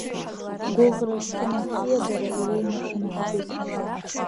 Гәыӷра зцым абзиабара иулнаршом ахақәиҭра!